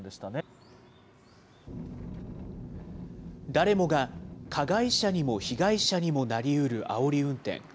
誰もが加害者にも被害者にもなりうるあおり運転。